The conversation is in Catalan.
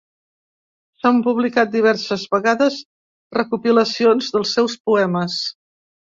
S'han publicat diverses vegades recopilacions del seus poemes.